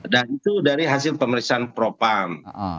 dan itu dari hasil pemeriksaan propaum